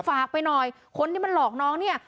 ฝากไปหน่อยคนที่มันหลอกน้องเนี่ย